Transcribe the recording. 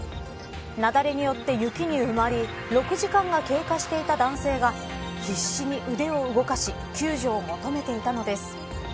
雪崩によって雪に埋まり６時間が経過していた男性が必死に腕を動かし救助を求めていたのです。